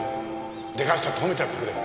でかしたと褒めてやってくれ。